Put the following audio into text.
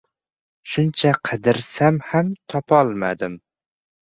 Shuncha qidirsam ham topolmadim.